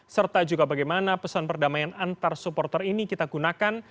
serta juga bagaimana pesan perdamaian antar supporter ini kita gunakan